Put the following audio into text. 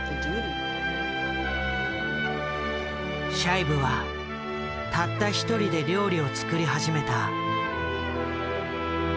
シャイブはたった一人で料理を作り始めた。